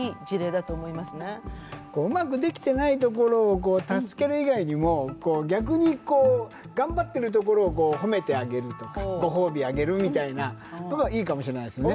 うまくできてないところを助ける以外にも逆に頑張ってるところを褒めてあげるとかご褒美あげるみたいなのがいいかもしれないですね。